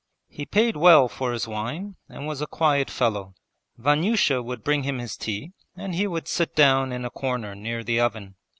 He paid well for his wine and was a quiet fellow. Vanyusha would bring him his tea and he would sit down in a corner near the oven.